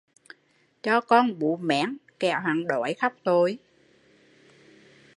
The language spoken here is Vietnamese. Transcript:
Cho con bú mén kẻo hắn đói khóc tội